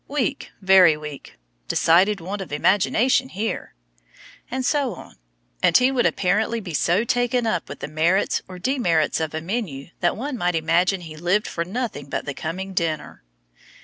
Weak, very weak; decided want of imagination here," and so on, and he would apparently be so taken up with the merits or demerits of a menu that one might imagine he lived for nothing but the coming dinner.